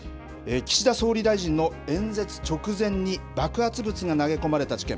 岸田総理大臣の演説直前に、爆発物が投げ込まれた事件。